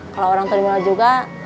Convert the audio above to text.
kalau orang terima juga